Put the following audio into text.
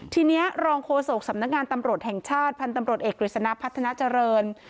ทีนี้รองโฆษกสำนักงานตำรวจแห่งชาติพันธ์ตำรวจเอกกฤษณะพัฒนาเจริญ